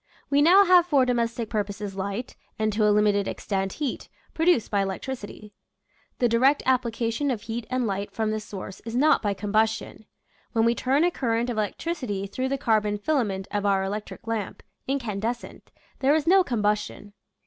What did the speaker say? We now have for domestic purposes light, and to a limited extent heat, produced by electricity. The di rect application of heat and light from this source is not by combustion. When we turn a current of electricity through the carbon filament of our electric lamp (incandescent) there is no combustion.